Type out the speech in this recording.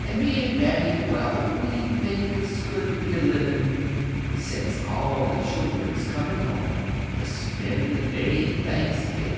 An' me an' Mammy well, we think It's good to be a livin', Sence all the children's comin' home To spend the day Thanksgivin'.